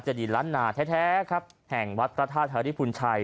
เจดีลัดหนาแท้แท้ครับแห่งวัดฑธธาธริปุณตร์ไชย